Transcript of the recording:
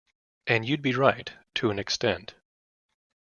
And you'd be right, to an extent.